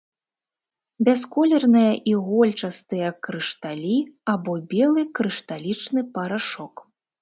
Бясколерныя ігольчастыя крышталі або белы крышталічны парашок.